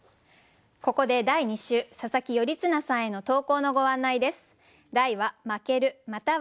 ここで第２週佐佐木頼綱さんへの投稿のご案内です。